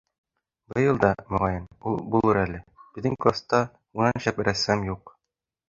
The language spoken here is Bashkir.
Быйыл да, моғайын, ул булыр әле, беҙҙең класта унан шәп рәссам юҡ.